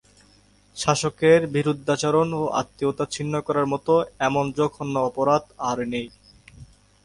শাসকের বিরুদ্ধাচরণ ও আত্মীয়তা ছিন্ন করার মত এমন জঘন্য অপরাধ আর নেই।